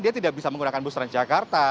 dia tidak bisa menggunakan bus transjakarta